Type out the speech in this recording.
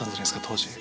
当時。